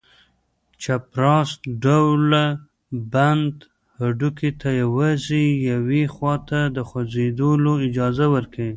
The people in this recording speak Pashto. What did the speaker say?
چپراست ډوله بند هډوکي ته یوازې یوې خواته د خوځېدلو اجازه ورکوي.